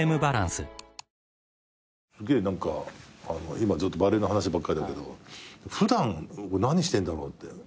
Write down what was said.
今ずっとバレーの話ばっかりだけど普段何してんだろうって。